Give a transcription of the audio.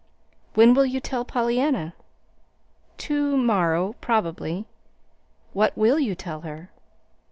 "When will you tell Pollyanna?" "To morrow, probably." "What will you tell her?"